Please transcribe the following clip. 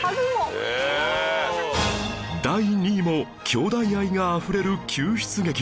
第２位も姉弟愛があふれる救出劇